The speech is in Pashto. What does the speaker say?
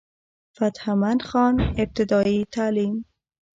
فتح مند خان ابتدائي تعليم